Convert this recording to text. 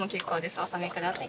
お納めください。